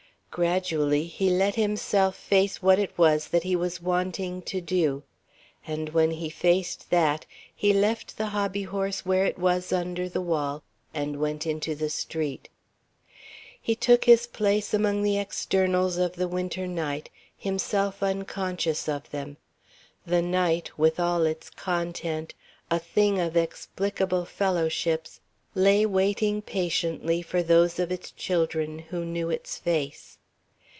Gradually he let himself face what it was that he was wanting to do. And when he faced that, he left the hobbyhorse where it was under the wall and went into the street. He took his place among the externals of the Winter night, himself unconscious of them. The night, with all its content, a thing of explicable fellowships, lay waiting patiently for those of its children who knew its face.